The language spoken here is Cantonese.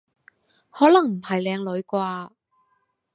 可能唔係靚女啩？